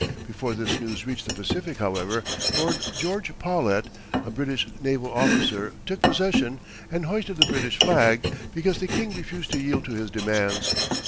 Before this news reached the Pacific, however, Lord George Paulet, a British naval officer, took possession and hoisted the British flag, because the King refused to yield to his demands.